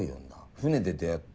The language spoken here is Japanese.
「船で出会って」。